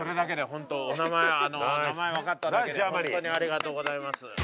ホントにありがとうございます。